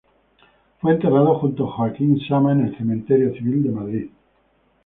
Fue enterrado junto a Joaquín Sama en el Cementerio civil de Madrid.